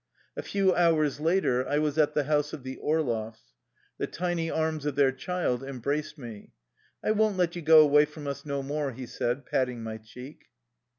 A few hours later I was at the house of the Orloffs. The tiny arms of their child em braced me. " I won't let you go away from us no more," he said, patting my cheek.